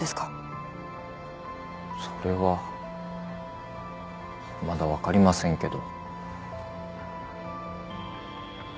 それはまだ分かりませんけど。